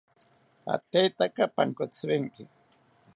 Atetaka pankotziwenki